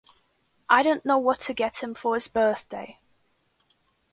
I don't know what to get him for his birthday.